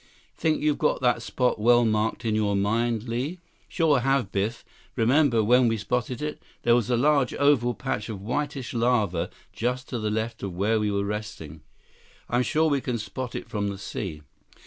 "Think you've got that spot well marked in your mind, Li?" "Sure have, Biff. Remember when we spotted it? There was a large, oval patch of whitish lava just to the left of where we were resting. I'm sure we can spot it from the sea."